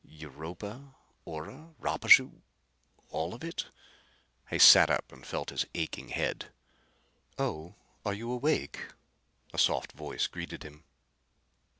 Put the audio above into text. Europa, Ora, Rapaju all of it? He sat up and felt of his aching head. "Oh, are you awake?" a soft voice greeted him.